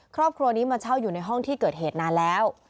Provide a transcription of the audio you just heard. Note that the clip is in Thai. ครอบครัวนี้มาเช่าอยู่ในห้องที่เกิดเหตุนานแล้ว